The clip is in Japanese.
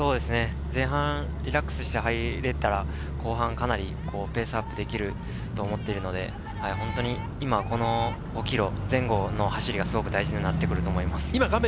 前半リラックスした入れたら後半かなりペースアップできると思っているので、今この５ｋｍ前後の走りがすごく大事になってくると思います。